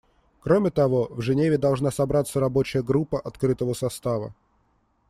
Кроме того, в Женеве должна собраться рабочая группа открытого состава.